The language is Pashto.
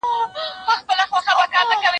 له نیکونو په مېږیانو کي سلطان وو